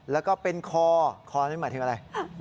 แล้วก็เป็นคอคอนี่หมายถึงอะไร